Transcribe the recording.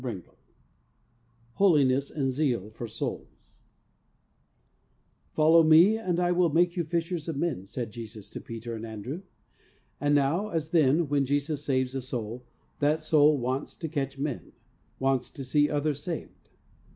X HOLINESS AND ZEAL FOR SOULS ' Follow Me, and I will make you fishers of men,' said Jesus to Peter and Andrew ; and now, as then, when Jesus saves a soul, that soul wants to catch men, wants to see others saved.